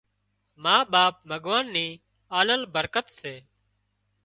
ما ٻاپ ڀڳوان ني آلل برڪت سي